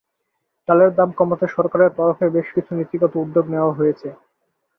চালের দাম কমাতে সরকারের তরফে বেশ কিছু নীতিগত উদ্যোগ নেওয়া হয়েছে।